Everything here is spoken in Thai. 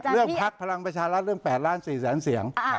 พักพลังประชารัฐเรื่อง๘ล้าน๔แสนเสียง